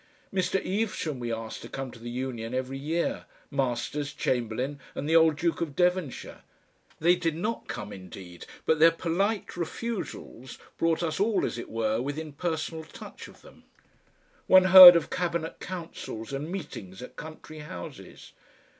Mr. Evesham we asked to come to the Union every year, Masters, Chamberlain and the old Duke of Devonshire; they did not come indeed, but their polite refusals brought us all, as it were, within personal touch of them. One heard of cabinet councils and meetings at country houses.